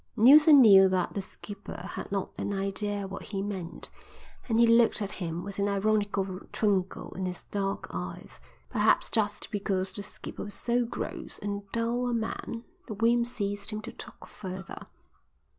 Neilson knew that the skipper had not an idea what he meant, and he looked at him with an ironical twinkle in his dark eyes. Perhaps just because the skipper was so gross and dull a man the whim seized him to talk further.